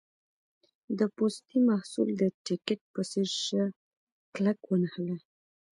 د پوستي محصول د ټیکټ په څېر شه کلک ونښله.